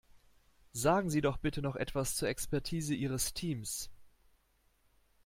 Sagen Sie doch bitte noch etwas zur Expertise Ihres Teams.